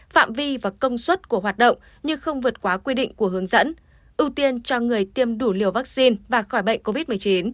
phạm vi và công suất của hoạt động nhưng không vượt quá quy định của hướng dẫn ưu tiên cho người tiêm đủ liều vaccine và khỏi bệnh covid một mươi chín